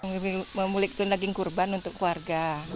membeli itu daging kurban untuk keluarga